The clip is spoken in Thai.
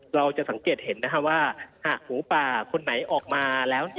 เราจะสังเกตเห็นว่าหากหมูป่าคนไหนออกมาแล้ว